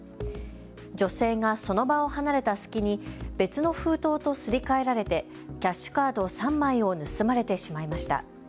女性がその場を離れた隙に別の封筒とすり替えられてキャッシュカード３枚を盗まれてしまいました。